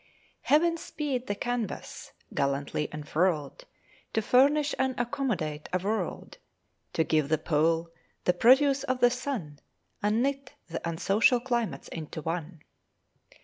Heaven speed the canvas, gallantly unfurled To furnish and accommodate a world, To give the Pole the produce of the sun, _And knit the unsocial climates into one.